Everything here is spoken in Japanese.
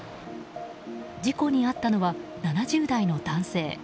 事故に遭ったのは７０代の男性。